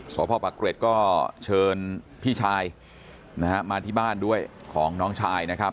สพปะเกร็ดก็เชิญพี่ชายนะฮะมาที่บ้านด้วยของน้องชายนะครับ